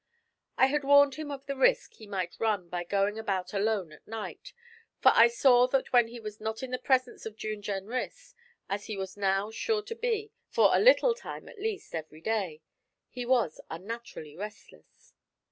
I had warned him of the risk he might run by going about alone at night, for I saw that when he was not in the presence of June Jenrys as he was now sure to be, for a little time at least, every day he was unnaturally restless.